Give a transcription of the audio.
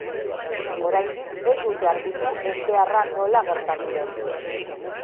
Oraindik ez dute argitu ezbeharra nola gertatu den.